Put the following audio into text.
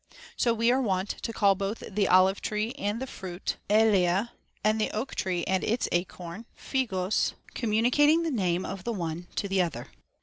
So we are wont to call both the olive tree and the fruit ελαία, and the oak tree and its acorn φηγός, communicating the name of the one to the other.